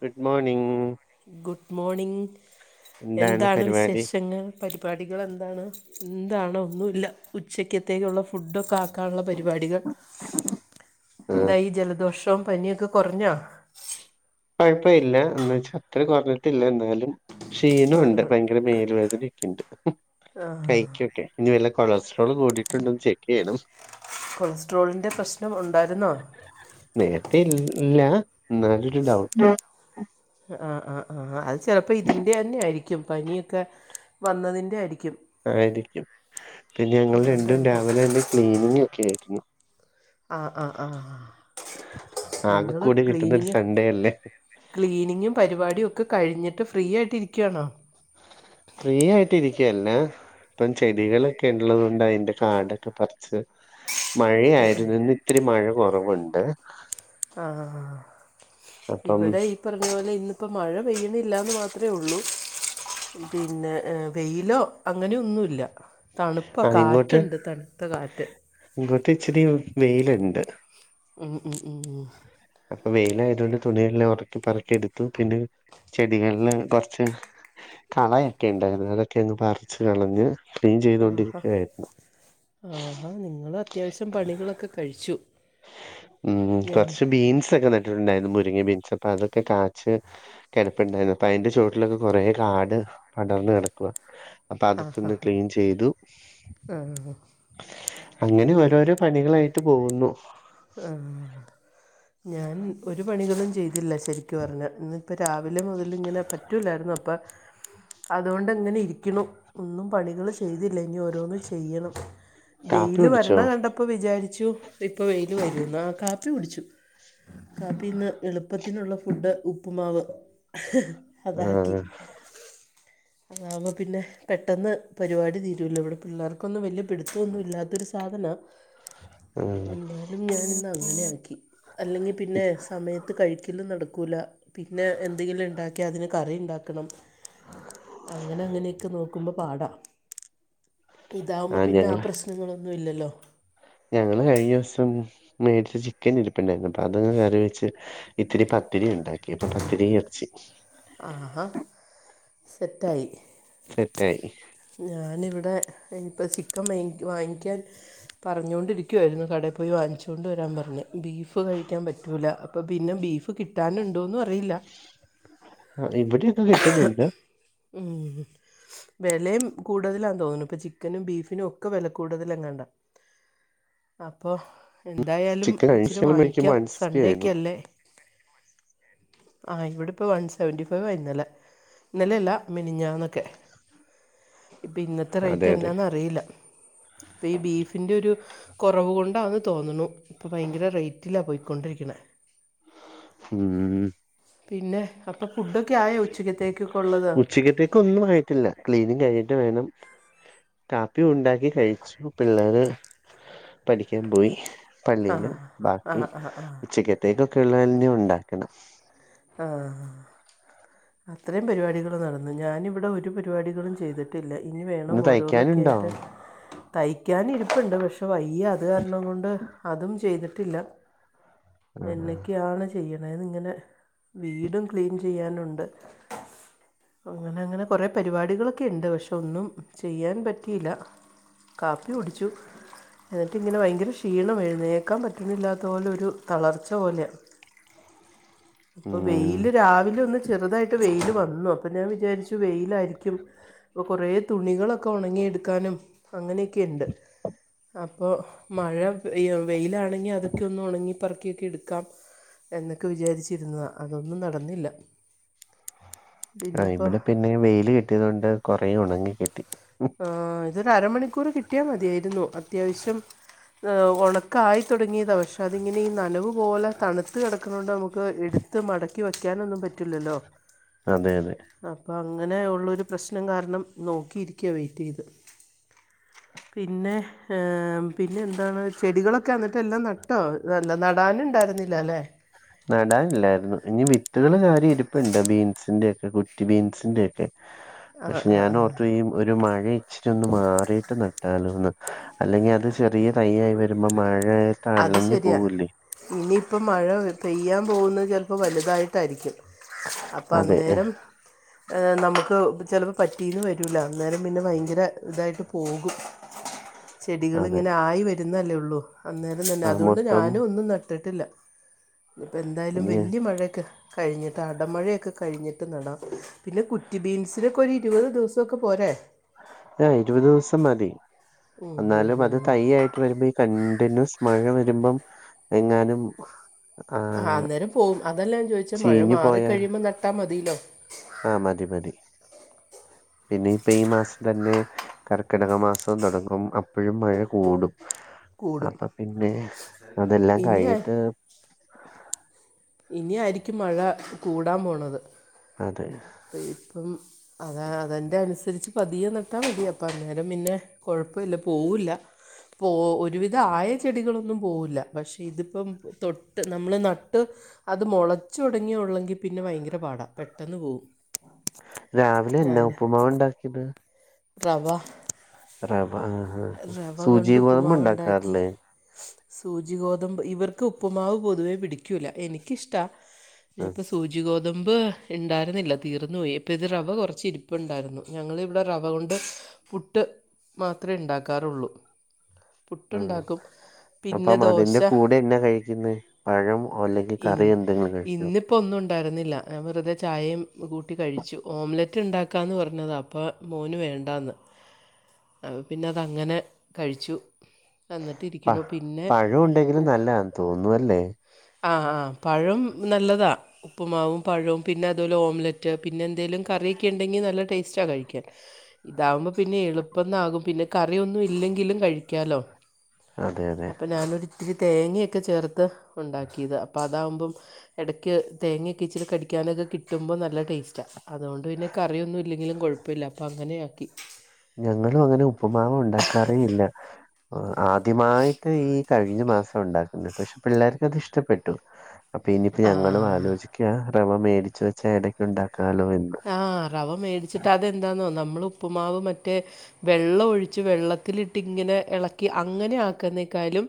Good morning. Good morning എന്താണ് വിശേഷങ്ങൾ പ പാടികളെന്താണ്? ന്താണ് ഒന്നുല്ല ഉച്ചക്കത്തേക്കുള്ള ഫുഡൊക്കെ ആക്കാള്ള പരിപാടികൾ. ആഹ് എന്തായി ഈ ജലദോഷവും പനിയൊക്കെ കുറഞ്ഞോ? കുഴപ്പ ഇല്ല എന്ന് വച്ചാ അത്ര കുറഞ്ഞിട്ടില്ല എന്നാലും. ക്ഷീണുണ്ട് ഭയങ്കര മേല്‌വേദനൊക്കെയുണ്ട് കൈ കൊക്കെ. ഇനി വല്ല കൊളസ്ട്രോൾ കൂടിയിട്ടുണ്ടന്ന് ചെക്ക് ചെയ്യണം കൊളസ്ട്രോളിന്റെ പ്രശ്നം ഉണ്ടായിരുന്നോ നേരത്തെ ഇൽ ൽ ല്ല എന്നാലരു ഡൗട്ട് ആ ആ ആ ആ അത് ചലപ്പോ ഇതിൻ്റെ ന്നെ ആയിരിക്കും പനിയൊക്കെ വന്നതിൻ്റെ ആയിരിക്കും ആയിരിക്കും പിന്നെ ഞങ്ങൾ രണ്ടും അതുകൊണ്ടായിരിക്കും രാവിലെ തന്നെ ക്ലീനിങ് ക്കെ യിരുന്നു ആ ആ ആ ആകെ നിങ്ങള് കൂടി കിട്ടുന്ന ഒരു ക്ലീനിങ് സൺഡേ അല്ലേ ക്ലീനിങ്ങും പരിപാടി ഒക്കെ കഴിഞ്ഞിട്ട് ഫ്രീ ആയിട്ട് ഇരിക്കാ ണോ ഫ്രീആയിട്ട് ഇരിക്കല്ല ഇപ്പം ചെടികളൊക്കെള്ളതൊ ണ്ടാഅയിന്റെ കാടൊക്കെ പർച്ച് മഴയായിരുന്നുഇന്ന്ഇത്തിരി മഴ കൊറവുണ്ട് ആ ആ അപ്പം ഇവിടെ പറഞ്ഞ പോലെ ഇന്നിപ്പോ മഴ പെയ്യ് ണില്ലന്ന് മാത്രഒള്ളൂ പിന്നെ വെയിലോ അങ്ങനെയൊന്നുല്ല തണുപ്പ ആ, കാറ്റ്ണ്ട് തണുത്ത കാറ്റ്. ങ്ങ്ട്ട് ച്ച്രിവെയില്ണ്ട്. ഉം ഉം ഉം അപ്പൊ വെയിലയതൊണ്ട് തുണിയെല്ലാം ഉണക്കി പ്പറക്കി എടുത്തു പിന്നെ ചെടികളില് പർ ച്ച് കളയൊക്കെ ഉണ്ടായിരുന്നു അതൊക്കെ അങ്ങ് പറിച്ച് കളഞ്ഞ് ക്ലീൻ ആഹാ. ചെയ്തൊണ്ടിരിക്കുവായിരുന്നു ആഹാ നിങ്ങള് അത്യാവശ്യം പണികളൊക്കെ കഴിച്ചു ഉം ഞങ്ങ കൊറച്ച് ബീൻസൊക്കെ നട്ടിട്ടുണ്ടായിരുന്നു. മുരിങ്ങ ബീൻസ് അപ്പൊ അതൊക്കെ കാച്ച് കെടപ്പുണ്ടായിരുന്നുഇപ്പ അയ്ന്റെ ചോട്ടിലൊക്കെ കുറേ കാട് പടർന്ന് കടക്കുവ അപ്പൊ ആ ആ അതൊക്കൊന്ന്ക്ലീൻ ചെയ്തു ആ ആ, അങ്ങനെ ഓരോരോ പണികളായിട്ട് പോകുന്നു ആഹ് ഞാൻ ഒരു പണികളും ചെയ്തില്ല ശരിക്ക് പറഞ്ഞ ഇന്ന് പ്പൊരാവിലെ മുതല് ഇങ്ങനെ പറ്റുല്ലായിരുന്നു അപ്പം അതോണ്ട് ഇങ്ങനെ ഇരിക്ക് ണുഒന്നും പണികള് ചെയ്തില്ലങ്കിൽ ഓരോന്ന് ചെയ്യണം കാപ്പി വെയില് കുടിച്ചോ വരണകണ്ട ഇപ്പ വിചാരിച്ചു ഇപ്പ വെയില് വരുന്ന് ആകാപ്പി കുടിച്ചു കാപ്പി ഇന്ന് എളുപ്പത്തിനുള്ള ഫുഡ് ഉപ്പുമാവ ആ അതാക്കി അതാവുമ്പോ പിന്നെ പെട്ടെന്ന് പരിപാടി തീരോലൊ. ഇവിടെ പിള്ളേർക്കൊന്നും വല്യ പിടിത്തോന്നും ഇല്ലാത്തൊരുസ് സാധനോഹ് ആ എന്നാലും ഞാൻ ഇന്ന് അങ്ങനാക്കി അല്ലെങ്കിപിന്നെ സമയത്ത് ഇത് കഴിക്കലും നടക്കൂല പിന്നെഎന്തെങ്കിലുംഇ ണ്ടാക്കിയ അതിന് കറിണ്ടാക്കണം അങ്ങനെ അങ്ങനെയൊക്കെ നോക്കുമ്പോ പാടാം ഇതാവുമ്പോ പിന്നെ ആ പ്രശ്നങ്ങളൊന്നു ഇല്ലല്ലോ ഞങ്ങള് കഴിഞ്ഞൊസം മേടിച്ച ചിക്കനിരിപ്പുണ്ടായിരുന്നു. അപ്പൊ അതൊക്ക കറിവെച്ച് ഇത്തിരി പത്തിരി ഉണ്ടാക്കി അപ്പൊ പത്തിരി എറച്ചി ആഹാ സെറ്റായി സെറ്റായി ഞാനിവിടെ എൻപൊ ചിക്കൻമേ വാങ്ങിക്കാൻ വാങ്ങിക്കാൻ. പറഞ്ഞൊണ്ടിരിക്കുവായിരുന്നു കടയിൽ പോയി വാങ്ങിച്ചോണ്ട വരാൻ പറഞ്ഞ് ബീഫ് കഴിക്കാൻ പറ്റൂല പ്പൊ പിന്നെ ബീഫ് കിട്ടാനുണ്ടോന്നു അറിയില്ല. ആ ഇവിടൊക്കെ കിട്ടുന്നുണ്ട് ഉം വിലെകൂടുതലാ തോന്നുന്നു ഇപ്പൊ ചിക്കനും ബീഫിനു ക്കെ വെല കൂടുതലങ്ങാണ്ട അപ്പൊ എന്തായാലും ചിക്കൻ ഇച്ചിരി കഴിച്ചത് മേടിക്കുമ്പോ വാങ്ങിക്കാം വൺ സിക്സ്റ്റി ആയിരുന്നു സൺണ്ടേക്കല്ലേ ആ ഇവിടെ ഇപ്പോ വൺ സെവൻറി ഫൈവ് ആയിഇ ന്നലെ ഇന്നലെയല്ല മിനിഞ്ഞാന്നൊക്കെ ഇപ്പം ഇന്നത്തെ അതെ റേറ്റ് അതെ എന്നാന്നറിയില്ല ഇപ്പെയ്, ഈ ബീഫിന്റെ ഒരു കൊറവു കൊണ്ടാന്ന് തോന്ന്ണു. ഇപ്പം ഭയങ്കര റേറ്റിലാ പോയിക്കൊണ്ടിരിക്കണേ. ഉം പിന്നെ അപ്പൊ ഫുഡൊക്കെ ആയോ ഉച്ചക്കത്തേക്കൊക്കെഉ ള്ളത് ഉച്ചക്കത്തേക്ക് ഒന്നും ആയിട്ടില്ല ക്ലീനിംഗ് ആയിട്ട് വേണം കാപ്പി ഉണ്ടാക്കി കഴിച്ചു പിള്ളേര് ഹ് പഠിക്കാൻ പോയി ഹ് ആ പള്ളിയില് ആ ബാക്കി ആ ആ ഉച്ചക്കെത്തേക്കൊക്കെ ഉള്ള തന്നെഉണ്ടാകണം ആ അത്രയും പരിപാടികൾ നടന്നു ഞാനിവിടെ ഒരു പരിപാടികളും ചെയ്തി ഇനി വേണം ഇന്ന് തയ്ക്കാനുണ്ടോ ഓരോന്നുംകേട്ട്തൈക്കാനിരിപ്പുണ്ട് പക്ഷേ വയ് യി അത് കാരണം കൊണ്ട് അതും ചെയ്തിട്ടില്ല ആ എന്നക്കെയാണ് ചെയ്യ് നെന്നിങ്ങനെ വീടും ക്ലീൻ ചെയ്യാനുണ്ട്. അങ്ങനെ അങ്ങനെ കുറെ പരിപാടികളൊക്കെ ഇണ്ട് പഷേ ഒന്നും ചെയ്യാൻ പറ്റിയില്ല കാപ്പി കുടിച്ചു എ ട്ടി ങ്ങനെ, ഭയങ്കര ക്ഷീണമാ. എഴുന്നേക്കാൻ പറ്റുന്നില്ലാത്ത പോലൊരു തളർച്ച പോലെ. പ്പൊ ഉം വെയില് രാവിലെ ഒന്ന് ചെറുതായിട്ട് വെയില് വന്നു അപ്പൊ ഞാൻ വിചാരിച്ചു വെയിലായിരിക്കും ഇപ്പോ, കൊറേ തുണികളൊക്കെ ഒണങ്ങിയെടുക്കാനും, അങ്ങനെയൊക്കെ ഇണ്ട്. അപ്പോ മഴ പെയ് വെയിലാണെങ്കിൽ അതൊക്കെ ഒന്ന് ഒണങ്ങി പറക്കിയൊക്കെയെടുക്കാം എന്നൊക്കെ വിചാരിച്ചു ഇരുന്നതാ അതൊന്നും നടന്നില്ല [unintelligible] ആ ഇനിയിപ്പോൾ ഇവിടെ പിന്നെ യ് വെയില് കിട്ടിയത് കൊണ്ട് കൊറേ ഒണങ്ങി കിട്ടി ആഹ്, ഇതൊരു അരമണിക്കൂർ കിട്ടിയാൽ മതിയായിരുന്നു. അത്യാവശ്യം ഒണക്കായി തുടങ്ങിയതാപക്ഷെ അതിങ്ങനെ നനവ് പോലെ തണുത്ത് കിടക്കുന്ന തൊണ്ട് നമുക്ക് എടുത്ത് മടക്ക ക്കി വയ്ക്കാനൊന്നും പറ്റുല്ലല്ലോ അതെ അതെ അപ്പോ അങ്ങനെ ഉള്ളൊരു പ്രശ്നം കാരണം നോക്കിയിരിക്കയ വെയ്റ്റെയ് ത് പിന്നെഹ് ഏ പിന്നെ എന്താണ് ചെടികളൊക്കെന്നിട്ട് എല്ലാം നട്ടോ അല്ല നടാനിണ്ടായിരുന്നില്ല അല്ലേ നടാനില്ലായിരുന്നു ഇനി വിത്തുകൾ കാര്യം ഇരിപ്പുണ്ട് ബീൻസിന്റൊക്കെ കുറ്റി ബീൻസിന്റൊക്കെ ആ പക്ഷെ ആ ആ ഞാനോർത്തു ഈ ഒരു മഴ ഇച്ചിരി ഒന്ന് മാറിയിട്ട് നട്ടാലോന്ന് അല്ലെങ്കി അത് ചെറിയ തയ്യായി വരുമ്പോ അത് മഴയായിട്ടലഞ്ഞു ശരിയാണ് പോവൂല്ലേ ഇനിയിപ്പം മഴ പെയ്യാൻ പോകുന്നത് ചെലപ്പോ വലുതായിട്ടായിരിക്കും അപ്പ അതെ അന്നേരം ഏ നമുക്ക് ചെലപ്പോ പറ്റീന്ന് വരൂല്ല ന്നാലും പിന്നെ ഭയങ്കര തായിട്ട് പോകും അതെ ചെടികൾങനെ ആയിവരുന്നല്ലേ ഉള്ളൂ അന്നേരം തന്നെ ആ അതുകൊണ്ട് മൊത്തം ഞാനും ഒന്നും നട്ടിട്ടില്ല ഇപ്പോ എന്തായാലും ഇനി വല്യ മഴയൊക്കെ കഴിഞ്ഞിത ടമഴയൊക്കെ കഴിഞ്ഞിട്ട് നടാംപോ പിന്നെ കുറ്റി ബീൻസിനൊക്കെ ഒരു ഇരുപത് ദിവസം ക്കെ പോരെ ആഹ്, ഇരുപത് ദിവസം മതി. ഉം, ഉം, എന്നാലും അത് ഉം. തയ്യായിട്ട് വരുമ്പോ കണ്ടിന്യൂസ് മഴ വരുമ്പം, എങ്ങാനും ആ ആഹ്, അന്നേരം പോവും. അതല്ല ഞാൻ ചോയ്ച്ചെ, മഴ ചീഞ്ഞു മാറി പോയാൽ കഴിയുമ്പോൾ നട്ടാ മതീല്ലോ!. ആ മതി മതി പിന്നെ ഇപ്പ ഈ മാസ് തന്നെ കർക്കിടക മാസം തുടങ്ങും അപ്പോഴും മഴ കൂടും ഹ് കൂടും അപ്പൊ പിന്നെ ഇനി ആ- അതെല്ലാംകഴിഞ്ഞ്ട്ട് ഇനി ആയിരിക്കും മഴ കൂടാപ്പോണത്. അതെ ഹ് വലിപ്പം അത അതൻ്റെ അനുസരിച്ച് പതിയെ നട്ടാ മതി അപ്പം അന്നേരം പിന്നെ കൊഴപ്പോ ഇല്ല പോവൂല പോ ഒരുവിധം ആയ ചെടികളൊന്നും പോവുല്ല പക്ഷെ ഇതിപ്പം തൊട്ട് നമ്മള് നട്ട് ഹ് അത് മൊളചൊ ടങ്ങിയെങ്കിൽയുള്ളെങ്കിൽ പിന്നെ ഭയങ്കര പാടാ പെട്ടെന്ന് പോകും രാവിലെ എന്നാ? ഉപ്പുമാവാ ഉണ്ടാക്കിയത്? റവ റവ ആ ഹാ ഹാ സൂചി ഗോതമ്പം ണ്ടാക്കാറില്ലേ? സ് സൂചി ഗോതമ്പ് ഇവർക്ക് ഉപ്പുമാവ് പൊതുവേ പിടിക്കൂല. എനിക്കിഷ്ടാ. ആഹ് നിപ്പൊ സൂചി ഗോതമ്പ്. ഇണ്ടായിരുന്നില്ല തീർന്നു പോയി പ്പ ഇത് റവ കുറച്ച് ഇരിപ്പുണ്ടായിരുന്നു. ഞങ്ങളിവിടെ റവ കൊണ്ട്. പുട്ട് മാത്രേണ്ടാക്കാറുള്ളൂ. പുട്ട് ആഹ് ണ്ടാക്കും അപ്പം അതിന്റെ കൂടെ എന്നാ കഴിക്കുന്നെ പഴം, അല്ലെങ്കിൽ ഇൻ കറി, എന്തെങ്കിലും കഴി ഇന്നിപ്പോൾ ഒന്നും ഉണ്ടായിരുന്നില്ല. ഞാൻ വെറുതെ ചായയും കൂട്ടി കഴിച്ചു. ഓംലറ്റ് ഉണ്ടാക്കാന്ന് പറഞ്ഞതാണ്. അപ്പോ മോന് വേണ്ടാന്ന് അപ്പ പിന്നെ തങ്ങനെ കഴിച്ചു. പ എന്നിട്ടിരിക്കണു പിന്നെ പഴംണ്ടെങ്കിലും നല്ലാന്ന് തോന്നുന്നു അല്ലേ. ആ ആ പഴം നല്ലതാ. ഉപ്പുമാവും പഴവും പിന്നെ അതുപോലെ ഓംലറ്റ് പിന്നെ എന്തേലും കറിയൊക്കെ ണ്ടെങ്കിൽ നല്ല ടേസ്റ്റാ കഴിക്കാൻ. ഇതാവുപോ പിന്നെ എളുപ്പന്നാകും. പിന്നെ കറിയൊന്നും ഇല്ലെങ്കിലും കഴിക്കാലോ അതെ അതെ അപ്പം ഞാൻ ഒരു ത്തിരി തേങ്ങയൊക്കെ ചേർത്ത് ഉണ്ടാക്കിയത. അപ്പ അതാവുമ്പം. എടയ്ക്ക് തേങ്ങയൊക്കെ ഇച്ചിരി കടിക്കാനൊക്കെ കിട്ടുമ്പോൾ നല്ല ടേസ്റ്റാ. അതുകൊണ്ട് പിന്നെ കറിയൊന്നും ഇല്ലെങ്കിലും കുഴപ്പല്ല അപ്പൊ അങ്ങനെയക്കി. ഞങ്ങളും അങ്ങനെ ഉപ്പ്മാവ് ഉണ്ടാക്കാറേയില്ല. ആദ്യമായിട്ട് ഈ കഴിഞ്ഞ മാസ ഉണ്ടാക്കുന്ന പക്ഷെ പിള്ളേർക്ക് അത് ഇഷ്ടപ്പെട്ടു. അപ്പൊ ഇനിയിപ്പ ഞങ്ങളും ആ ആലോചിക്ക ക്യാ റവ മേടിച്ചു വെച്ച ഇടയ്ക്ക് ഉണ്ടാക്കലോ എന്. ആഹ് റവ മേടിച്ചിട്ട് അതെന്താന്നോ നമ്മളുപ്പുമാവ് മറ്റേ വെള്ളം ഒഴിച്ച് വെള്ളത്തിലിട്ട് ഇങ്ങനെ ഇളക്കി അങ്ങനെ ആക്കുന്നേക്കാലും.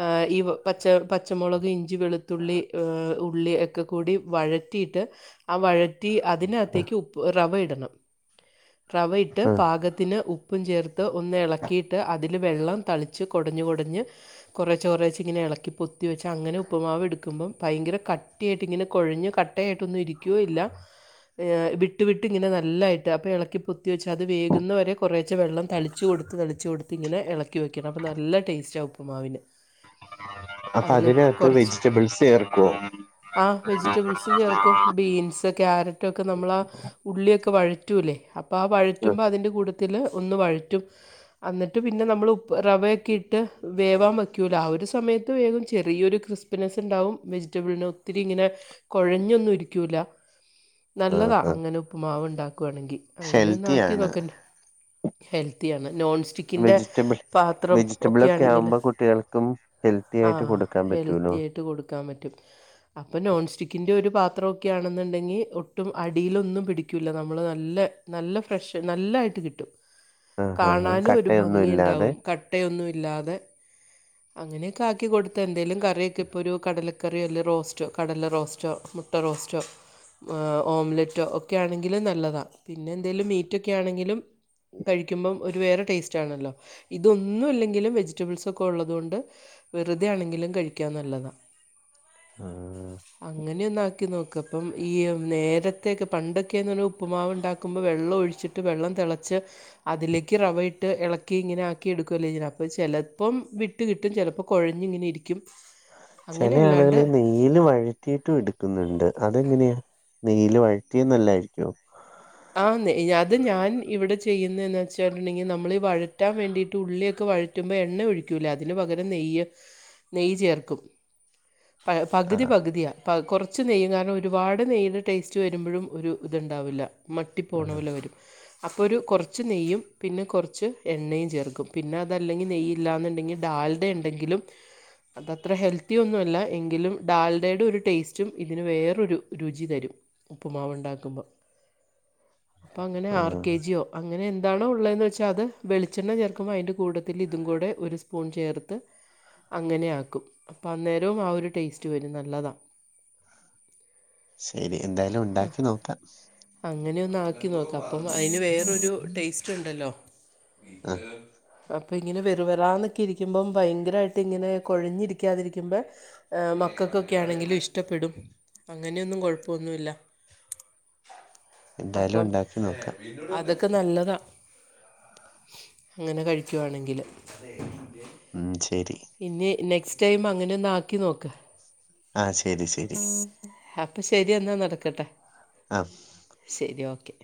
ആ ഈ പച്ച പച്ചമുളക്, ഇഞ്ചി, വെളുത്തുള്ളി, എ ഉള്ളി, ക്കെ കൂടി വഴറ്റിയിട്ട്, ആ വഴറ്റി അതിനകത്തേക്ക് ഉപ്പ് റവ ഇടണം. റവയിട്ട് ആ പാകത്തിന് ഉപ്പും ചേർത്ത് ഒന്ന് ഇളക്കിയിട്ട്. അതി ല് വെള്ളം തളിച്ച് കൊടഞ്ഞ് കൊടഞ്ഞ്. കൊറേച്ചെ കൊറേച്ച ഇങ്ങനെ എളക്കി പൊത്തി വെച്ച്. അങ്ങനെ ഉപ്പ്മാവ് എടുക്കുമ്പം ഭയങ്കര കട്ടി കട്ടിയായിട്ട് ഇങ്ങനെ കൊഴഞ് കട്ടയട്ടൊന്നും ഇരിക്കു ഇല്ല. എ വിട്ടു വിട്ട് ഇങ്ങനെ നല്ലയിട്ട് അപ്പോൾ ഇളക്കി പൊത്തി വെച്ച്. അത് വേകുന്നവരെ കുറേച്ചെ വെള്ളം തളിച്ച് കൊടു ത്ത് തൊളിച്ച് കൊടുത്ത് ഇങ്ങനെ ഇളക്കി വയ്ക്കണം. അപ്പ നല്ല ടേസ്റ്റ ആ ഉപ്പ്മാവിന്. അപ്പൊ അതിനകത്ത് വെജിറ്റബിൾസ് ചേർക്കോ ആ വെജിറ്റബിൾസും ചേർക്കും ബീൻസ്, ക്യാര നമ്മള ആ ഉള്ളിയൊക്കെ വഴറ്റൂലേ. അപ്പൊ ആ ആഹ് വഴറ്റുമ്പൊ അതിന്റെ കൂട ത്തില് ഒന്ന് വഴറ്റും. അന്നിട്ട് പിന്നെ നമ്മള് ഉപ്പ് റവയൊക്കെ ഇട്ട് വേവാൻ വയ്ക്കൂലേ, ആ ഒരു സമയത്ത് വേഗും. ചെറിയൊരു കൃസ് നെസ്സ് ഉണ്ടാവും വെജിറ്റബിളിന് ഒത്തിരി ഇങ്ങനെ കുഴഞ്ഞൊന്നും ഇരിക്കുല്ല. ആഹ് നല്ലതാ ആഹ് അങ്ങനെ ഉപ്പ്മാവ് ഉണ്ടാക്കുവാണെങ്കി അങ്ങനൊന്ന് ആക്കി ഹെൽത്തിയാണ് നോക്ക്. ഹെൽത്തിയാണ് നോൺ സ്റ്റിക്ക്. ക്കിന്റെ വെജിറ്റബിൾ പാത്രം വെജിറ്റബിളൊക്കെ ഒക്കെയാണെങ്കിൽ ആവുമ്പോ കുട്ടികൾക്കും ഹെൽത്തി ആ ആയിട്ട് കൊടുക്കാൻ ഹെൽത്തി പറ്റൂലോ ആയിട്ട്. കൊടു കൻ പറ്റും അപ്പ നോൺസ്റ്റിക്കിന്റെ ഒരു പാത്രഒക്കെ ആണെന്നുണ്ടെങ്കിൽ ഒ ഒട്ടും അടിയിലൊന്നും പിടിക്കൂല. നമ്മള് നല്ല നല്ല ഫ്രഷ് നല്ലായിട്ട് കിട്ടും. ആഹ് ആഹ് കാണാനും ഒരു കട്ടയൊന്നും ഭംഗി ഇല്ലാതെ ഉണ്ടാവും. ക ട്ടയൊന്നും ഇല്ലാതെ അങ്ങനെയൊക്കെ ആക്കി കൊടുത്ത എന്തെലും കറിക്കെ ഇപ്പരു കടല കാറില്ലേ റോസ്റ്റ്, കടല റോസ്റ്റ്. മുട്ട റോസ്റ്റ്, എ ഓംലറ്റോ ഒക്കെ ആണെങ്കിലും നല്ലതാ. പിന്നെ എന്തേിലും മീറ്റൊക്കെ ആണെങ്കിലും. കഴിക്കുമ്പം ഒരു വേറെ ടേസ്റ്റ് ആണല്ലോ. ഇതൊന്നും ഇല്ലെങ്കിലും വെജിറ്റബിൾസ് ഒക്കെ ഉള്ളതുകൊണ്ട് വെറുതെ ആണെങ്കിലും കഴിക്കാൻ നല്ലതാ. ആഹ് അങ്ങനെ ഒന്ന് ആക്കി നോക്ക്. അപ്പം ഈ നേരെ ടതെക്ക് പണ്ടൊക്കെന്ന് പറഞ്ഞാൽ. ഉപ്പുമാവ് ഉണ്ടാക്കുമ്പോൾ വെള്ളം ഒഴിച്ചിട്ട് വെള്ളം തിളച്ച്. അതിലേക്ക് റവ ഇട്ട് എളക്കി ഇങ്ങനെ ആക്കി എടുക്കുവല്ലേ ചെയ്യുന്ന. അപ്പോ ചെലപ്പം വി ഇട്ട് കിട്ടും ചിലപ്പോ കുഴഞ്ഞ ഇങ്ങനെ ഇരിക്കും ചില അങ്ങനെ അല്ലാണ്ട് ആളുകളിൽ ന നീല് വഴറ്റിയിട്ടും എടുക്കുന്നുണ്ട് അതെങ്ങനെയാ നീല് വഴറ്റിയ എന്നല്ലായിരിക്കോ ആഹ് അത് ഞാൻ ഇവിടെ ചെയ്യുന്നന്ന് വെച്ചിട്ടുണ്ടെങ്കിൽ നമ്മൾ വഴറ്റാൻ വേണ്ടിയിട്ട് ഉള്ളിയൊക്കെ വ റ്റുമ്പോ എണ്ണ ഒഴിക്കൂലാ അതിന് പകരം നെയ്യ് നെയ്യ് ചേർക്കും പ പകുതി ആഹ് പകുതിയാണ് പ്പ കുറച്ച് നെയ്യും കാരണം ഒരുപാട് നെയ്യുിൻ്റെ ടേസ്റ്റ് വരുമ്പോഴും ഒരു ഇതുണ്ടാവില്ല മട്ടി പോണ ആഹ് പോല വരും അപ്പോൾ ഒരു കുറച്ച് നെയ്യും പിന്നെ കുറച്ച് എണ്ണയും ചേർക്കും പിന്നെ അതല്ലെങ്കിൽ നെയ്യ്‌ ഇല്ലെന്നുണ്ടെങ്കിൽ ഡാൽഡ ഉണ്ടെങ്കിലും അതത്ര ഹെൽത്തി ഒന്നുല്ല എങ്കിലും ഡാൽഡയുടെ ഒരു ടേസ്റ്റും ഇതിന് വേറൊരു രുചി തരും ഉപ്പ്മാവ് ഉണ്ടാക്കുമ്പോൾ അപ്പൊ അങ്ങനെ ആർ ആഹ് കെ ജിയോ അങ്ങനെ എ ഇതാണോ ഉള്ളതെന്ന് വെച്ചാൽ അത് വെളിച്ചെണ്ണ ചേർക്കുമ്പോൾ അതിൻ്റെ കൂടത്തിൽ ഇതും കൂടെ ഒരു സ്പൂൺ ചേർത്ത് അങ്ങനെയ ആക്കും അപ്പം അന്നേരവും ആ ഒരു ടേസ്റ്റ് വരും നല്ലതാണ് ശരി എന്തായാലും ഉണ്ടാക്കി നോക്കാം അങ്ങനെഒന്ന് ആക്കി നോക്കാം അപ്പം അതിന് വേറൊരു ടേസ്റ്റ് ഉണ്ടല്ലോ ആഹ് അപ്പൊ ഇങ്ങനെ വെറു വെറാന്നൊക്കെ ഇരിക്കുമ്പം ഭയങ്കരമായിട്ട് ഇങ്ങനെ കൊഴഞ്ഞിരിക്കാതിരിക്കുമ്പോ എ മക്കൾക്കൊക്കെ ആണെങ്കിലും ഇഷ്ടപ്പെടും അങ്ങനെയൊന്നും കുഴപ്പമൊന്നുല്ല എന്തായാലും അപ്പം ഉണ്ടാക്കി നോക്കാം അതൊക്കെ നല്ലതാ അങ്ങനെ കഴിക്കുവാണെങ്കില് ഉം ശരി ഇനി നെക്സ്റ്റ് ടൈം അങ്ങനെ ഒന്ന് ആക്കി നോക്ക് ആഹ്ശരി ശരി അപ്പൊ ശരി എന്നാൽ നടക്കട്ടെ ആഫ് ശരി ഓക്കെ